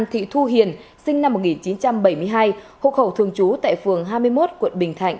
thị thu hiền sinh năm một nghìn chín trăm bảy mươi hai hộ khẩu thường trú tại phường hai mươi một quận bình thạnh